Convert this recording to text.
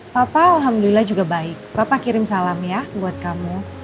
papa alhamdulillah juga baik papa kirim salam ya buat kamu